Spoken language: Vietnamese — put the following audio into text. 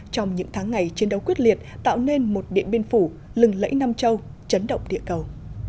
trong những tháng ngày chiến đấu quyết liệt tạo nên một điện biên phủ lừng lẫy nam châu chấn động địa cầu